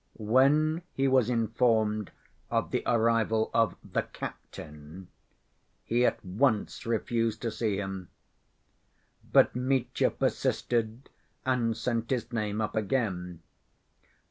When he was informed of the arrival of the "captain," he at once refused to see him. But Mitya persisted and sent his name up again.